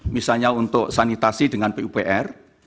misalnya untuk sanitasi dengan pupr